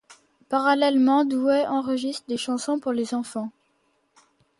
Parallèlement, Douai enregistre des chansons pour les enfants.